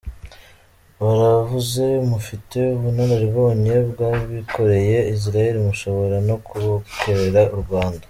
Baravuze; mufite ubunararibonye, mwabikoreye Israel mushobora no kubokorera u Rwanda.”